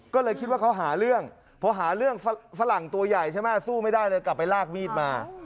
ก็เลยคิดว่าเขาหาเรื่องพอหาเรื่องฝรั่งตัวใหญ่ใช่ไหมสู้ไม่ได้เลยกลับไปลากมีดมา